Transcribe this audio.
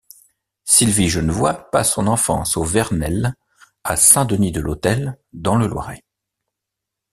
Sylvie Genevoix passe son enfance aux Vernelles, à Saint-Denis-de-l'Hôtel, dans le Loiret.